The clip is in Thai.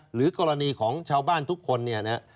หรือกรณีของชาวบ้านทุกคนเนี่ยนะ